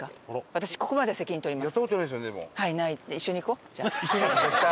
私ここまでは責任取ります。